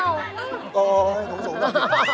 โอ้ยตรงสูงละ